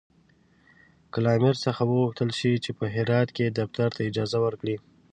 که له امیر څخه وغوښتل شي چې په هرات کې دفتر ته اجازه ورکړي.